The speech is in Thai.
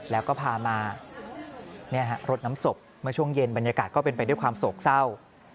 แล้วก็พามารดน้ำศพเมื่อช่วงเย็นบรรยากาศก็เป็นไปด้วยความโศกเศร้า